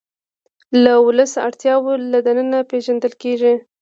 د ولس اړتیاوې له ننه پېژندل کېږي.